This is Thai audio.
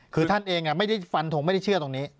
คือท่านเองไม่ได้ฟันทงไม่ได้เชื่อตรงนี้